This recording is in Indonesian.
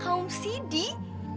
kaum orang miskin yang suci